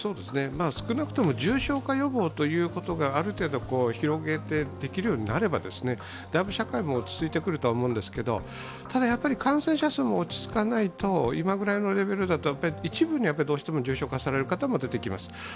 少なくとも重症化予防ということがある程度広げてできるようになれば、だいぶ社会も落ち着いてくると思うんですけどもただやっぱり感染者数も落ち着かないと、今ぐらいのレベルだと一部にどうしても重症化される方も出てきます。